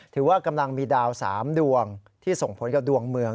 ถือว่ากำลังมีดาว๓ดวงที่ส่งผลกับดวงเมือง